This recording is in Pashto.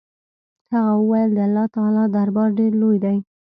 هغه وويل د الله تعالى دربار ډېر لوى دې.